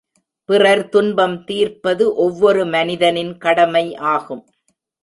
பிறர் துன்பம் தீர்ப்பது ஒவ்வொரு மனிதனின் கடமை ஆகும்.